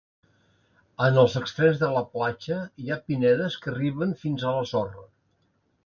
En els extrems de la platja hi ha pinedes que arriben fins a la sorra.